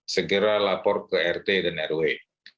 segera lapor ke rt dan rw